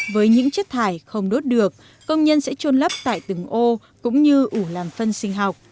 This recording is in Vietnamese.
với những chất thải không đốt được công nhân sẽ trôn lấp tại từng ô cũng như ủ làm phân sinh học